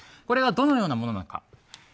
これはどのようなものなのか。